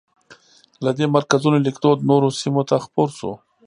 له دې مرکزونو لیکدود نورو سیمو ته خپور شو.